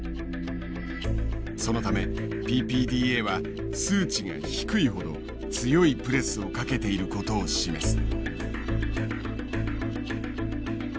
そのためＰＰＤＡは数値が低いほど強いプレスをかけていることを示す。